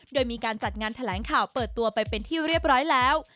โดยมีการจัดงานแถลงข่าวเปิดตัวไปเป็นที่เรียบร้อยแล้ว